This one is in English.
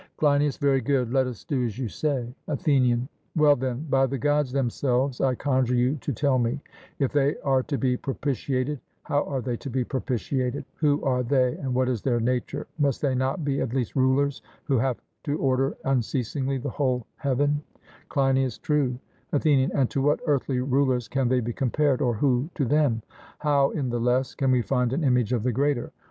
CLEINIAS: Very good; let us do as you say. ATHENIAN: Well, then, by the Gods themselves I conjure you to tell me if they are to be propitiated, how are they to be propitiated? Who are they, and what is their nature? Must they not be at least rulers who have to order unceasingly the whole heaven? CLEINIAS: True. ATHENIAN: And to what earthly rulers can they be compared, or who to them? How in the less can we find an image of the greater?